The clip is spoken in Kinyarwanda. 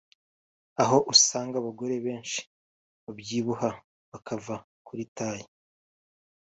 Aho usanga abagore benshi babyibuha bakava kuri taille